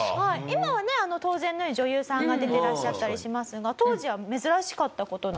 今はね当然のように女優さんが出てらっしゃったりしますが当時は珍しかった事なんですね。